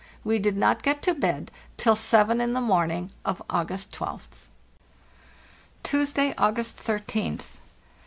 We did not get to bed till seven in the morning of August 12th. "Tuesday, August 13th.